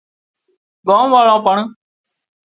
ڳام واۯان پڻ